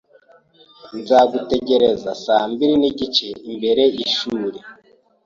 Nzagutegereza saa mbiri n'igice imbere yishuri.